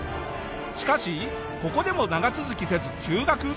しかしここでも長続きせず休学。